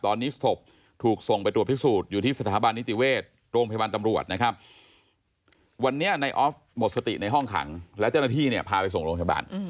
ตอนนี้ศพถูกส่งไปตรวจพิสูจน์อยู่ที่สถาบันนิติเวชโรงพยาบาลตำรวจนะครับวันนี้ในออฟหมดสติในห้องขังแล้วเจ้าหน้าที่เนี่ยพาไปส่งโรงพยาบาล